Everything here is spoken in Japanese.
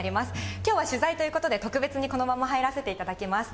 きょうは取材ということで、特別にこのまま入らせていただきます。